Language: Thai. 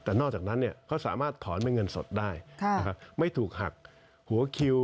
แต่นอกจากนั้นเขาสามารถถอนเป็นเงินสดได้ไม่ถูกหักหัวคิว